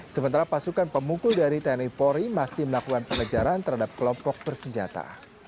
sementara pasukan pemukul dari tni polri masih melakukan pengejaran terhadap kelompok bersenjata